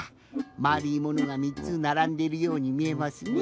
まるいものが３つならんでいるようにみえますね。